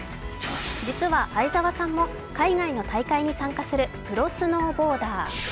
実は、相澤さんも海外の大会に参加するプロスノーボーダー。